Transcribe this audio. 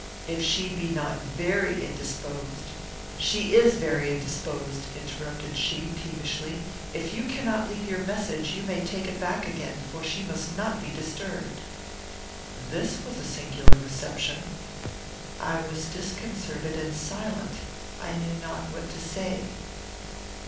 If she be not very indisposed " "She is very indisposed," interrupted she, peevishly. "If you cannot leave your message, you may take it back again, for she must not be disturbed." This was a singular reception. I was disconcerted and silent. I knew not what to say.